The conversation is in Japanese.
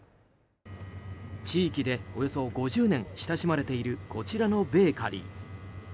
地域でおよそ５０年親しまれているこちらのベーカリー。